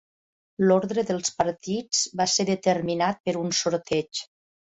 L'ordre dels partits va ser determinat per un sorteig.